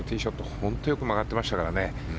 本当によく曲がってましたからね。